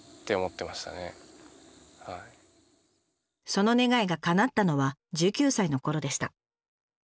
その願いがかなったのは１９歳のころでした。